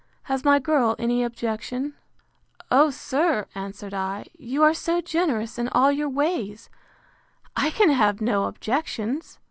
Has my girl any objection? O, sir, answered I, you are so generous in all your ways, I can have no objections!